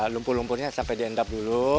lumpur lumpurnya sampai diendap dulu